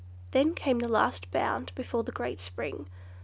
Then came the last bound before the great spring.